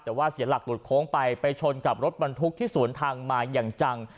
แต่ว่าเสียหลักหลุดโค้งไปไปชนกับรถบรรทุกที่สวนทางมาอย่างจัง